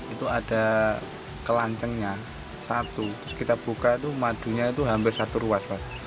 itu ada kelancengnya satu terus kita buka itu madunya itu hampir satu ruas pak